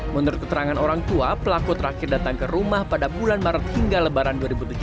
menurut keterangan orang tua pelaku terakhir datang ke rumah pada bulan maret hingga lebaran dua ribu tujuh belas